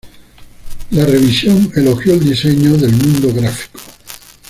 La revisión elogió el diseño del mundo gráfico.